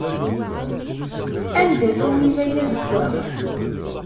Anda-t umidag azeggaɣ?